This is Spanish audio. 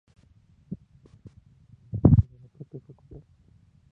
Ésta tiene su sede dentro del edificio de la propia facultad.